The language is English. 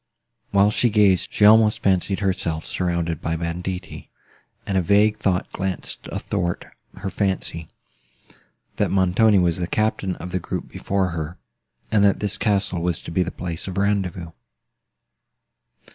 While she gazed, she almost fancied herself surrounded by banditti; and a vague thought glanced athwart her fancy—that Montoni was the captain of the group before her, and that this castle was to be the place of rendezvous.